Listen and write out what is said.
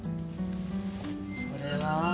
これは。